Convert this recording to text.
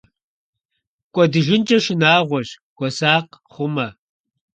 КӀуэдыжынкӀэ шынагъуэщ, хуэсакъ, хъумэ!